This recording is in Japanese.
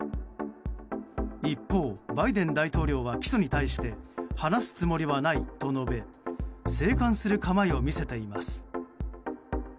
一方、バイデン大統領は起訴に対して話すつもりはないと述べ静観する構えを見せています。